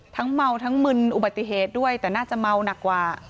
เมาทั้งมึนอุบัติเหตุด้วยแต่น่าจะเมาหนักกว่า